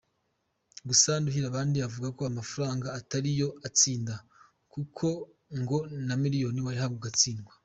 Gusa Nduhirabandi avuga ko amafaranga atari yo atsinda kuko ngo na miliyoni wayihabwa ugatsindwa.